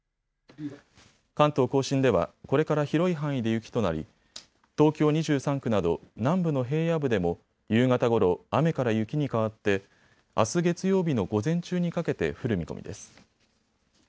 関東甲信ではこれから広い範囲で雪となり東京２３区など南部の平野部でも夕方ごろ、雨から雪に変わってあす月曜日の午前中にかけて降る見込みです。